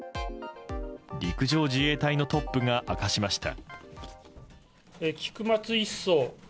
陸上自衛隊のトップが明かしました。